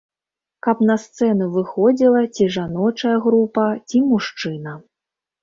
Каб на сцэну выходзіла ці жаночая група, ці мужчына.